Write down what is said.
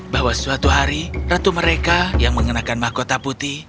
bahwa suatu hari ratu mereka yang mengenakan mahkota putih